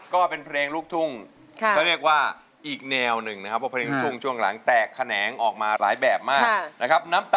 ร้องได้ในเมื่อที่๒แบบนี้ค่ะรับแล้ว๑มือบาท